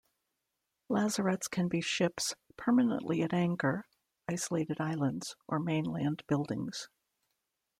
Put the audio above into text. Lazarets can be ships permanently at anchor, isolated islands, or mainland buildings.